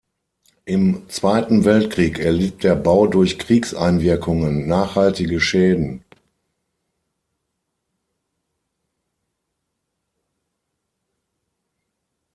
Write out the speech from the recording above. Im Zweiten Weltkrieg erlitt der Bau durch Kriegseinwirkungen nachhaltige Schäden.